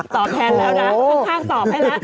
ตอบแทนแล้วนะข้างตอบให้แล้ว